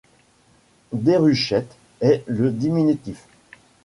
Déruchette est le diminutif.